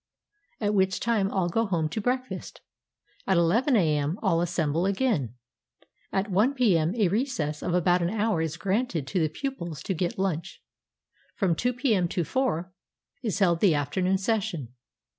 at which time all go home to breakfast. At ii a.m., all assemble again. At i p.m., a recess of about an hour is granted to the pupils to get lunch. From 2 p.m. to 4 is held the afternoon session.